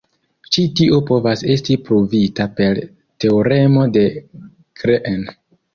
Ĉi tio povas esti pruvita per teoremo de Green.